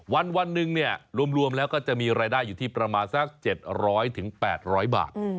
วันหนึ่งเนี่ยรวมแล้วก็จะมีรายได้อยู่ที่ประมาณสัก๗๐๐๘๐๐บาท